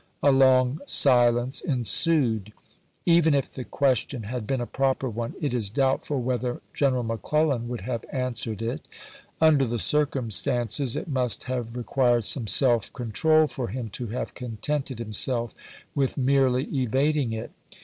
A long silence ensued. Even if the question had been a proper one, it is doubtful whether General McClellan would have answered it; under the circumstances, it must have re quired some self control for him to have contented himself with merely evading it.